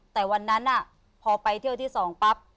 แต่วันนั้นพอไปเที่ยวที่๒ปั๊บ